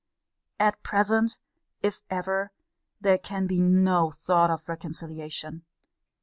At present, if ever, there can be no thought of reconciliation.